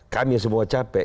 kami semua capek